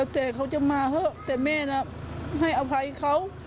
แต่เขาจะมาเถอะแต่แม่น่ะให้อภัยเขา